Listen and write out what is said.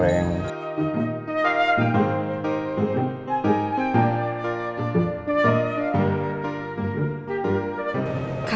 ini mangga untuk abrak